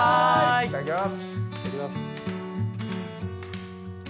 いただきます。